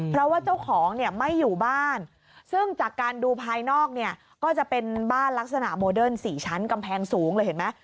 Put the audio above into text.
เพราะว่าเจ้าของเนี่ยไม่อยู่บ้านซึ่งจากการดูภายนอกเนี่ยก็จะเป็นบ้านลักษณะโมเดิร์น๔ชั้นกำแพงสูงเลยเห็นไหม